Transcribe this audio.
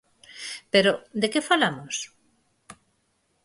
Pero ¿de que falamos?